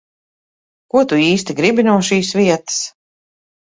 Ko tu īsti gribi no šīs vietas?